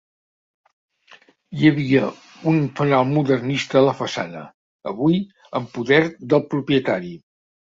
Hi havia un fanal modernista a la façana, avui en poder del propietari.